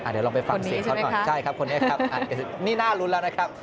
เดี๋ยวลองไปฟังเสียงเขาหน่อยใช่ครับคนนี้ครับอาจจะนี่น่ารุ้นแล้วนะครับ